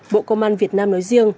bộ công an việt nam nói riêng